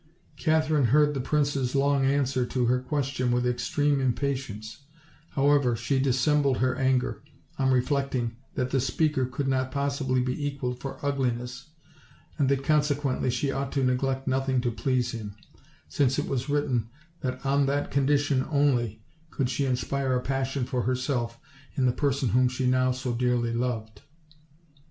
Katherine heard the prince's long answer to her ques tion with extreme impatience; however, she dissembled her anger, on reflecting that the speaker could not pos sibly be equaled for ugliness, and that consequently she ought to neglect nothing to please him; since it was written, that on that condition only could she inspire a passion for herself in the person whom she now so dearly loved.